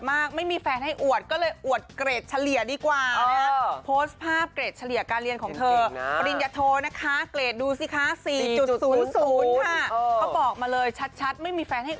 ไม่มีแฟนให้อวดอวดเกรดก็ได้